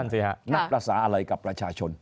นับรักษาอะไรกับประชาชน